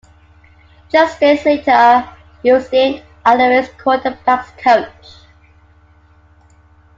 Just days later he was named the Alouettes' quarterbacks coach.